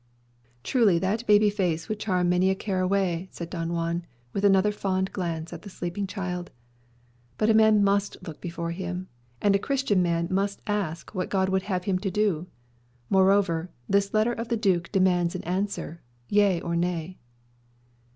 "Truly that baby face would charm many a care away," said Juan, with another fond glance at the sleeping child. "But a man must look before him, and a Christian man must ask what God would have him to do. Moreover, this letter of the duke demands an answer, Yea or Nay."